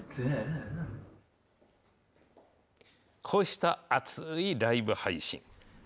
こうした熱いライブ配信。